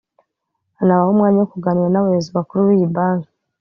hanabaho umwanya wo kuganira n’abayobozi bakuru b’iyi banki